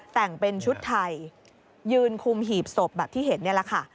แต่งเป็นชุดไทยยืนคุมหีบศพแบบที่เห็นนี่แหละค่ะ